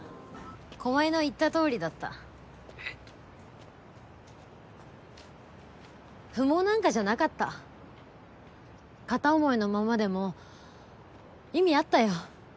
駒井の言ったとおりだった☎えっ？不毛なんかじゃなかった片思いのままでも意味あったよ